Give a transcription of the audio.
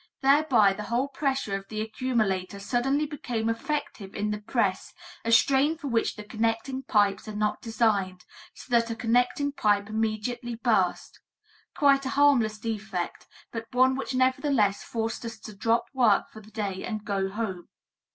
Thereby the whole pressure of the accumulator suddenly became effective in the press, a strain for which the connecting pipes are not designed, so that a connecting pipe immediately burst quite a harmless defect, but one which nevertheless forced us to drop work for the day and go home.